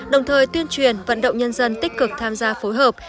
đồng thời tuyên truyền vận động nhân dân tích cực tham gia phối hợp